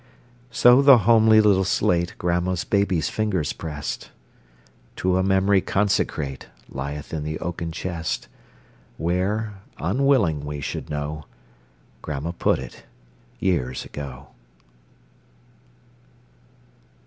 So the homely little slate Grandma's baby's fingers pressed, To a memory consecrate, Lieth in the oaken chest, Where, unwilling we should know, Grandma put it, years ago.